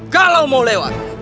kalau mau lewat